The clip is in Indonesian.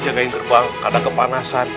jagain gerbang kadang kepanasan